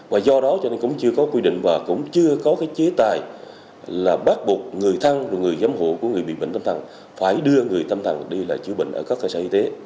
và do đó cho nên cũng chưa có quy định và cũng chưa có cái chế tài là bắt buộc người thân và người giám hộ của người bị bệnh tâm thần phải đưa người tâm thần đi là chữa bệnh ở các cơ sở y tế